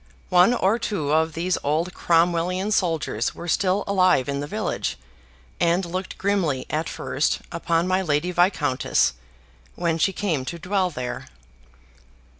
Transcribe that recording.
One or two of these old Cromwellian soldiers were still alive in the village, and looked grimly at first upon my Lady Viscountess, when she came to dwell there.